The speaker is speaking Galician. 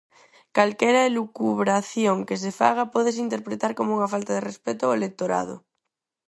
Calquera elucubración que se faga pódese interpretar como unha falta de respecto ao electorado.